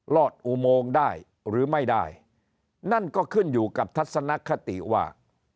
อดอุโมงได้หรือไม่ได้นั่นก็ขึ้นอยู่กับทัศนคติว่า